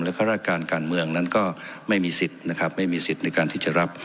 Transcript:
ข้าราชการการเมืองนั้นก็ไม่มีสิทธิ์นะครับไม่มีสิทธิ์ในการที่จะรับ